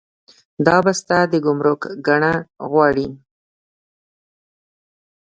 دا بسته د ګمرک ګڼه غواړي.